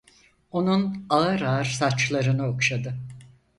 Onun ağır ağır saçlarını okşadı.